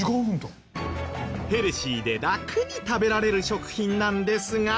ヘルシーでラクに食べられる食品なんですが。